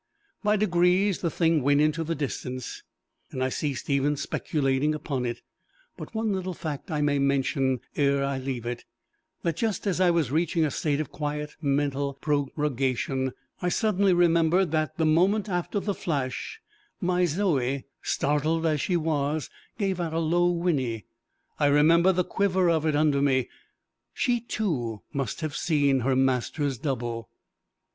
By degrees the thing went into the distance, and I ceased even speculating upon it. But one little fact I may mention ere I leave it that, just as I was reaching a state of quiet mental prorogation, I suddenly remembered that, the moment after the flash, my Zoe, startled as she was, gave out a low whinny; I remembered the quiver of it under me: she too must have seen her master's double!